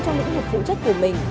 trong những việc phụ trách của mình